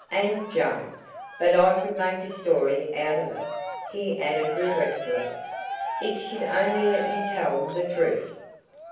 And Jove! but I could make a story out of it," he added regretfully, "if she'd only let me tell the truth."